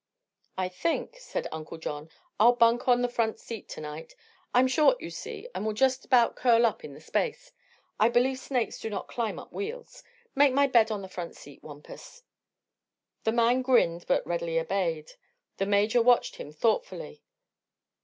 "I think," said Uncle John, "I'll bunk on the front seat to night. I'm short, you see, and will just about curl up in the space. I believe snakes do not climb up wheels. Make my bed on the front seat, Wampus." The man grinned but readily obeyed. The Major watched him thoughtfully.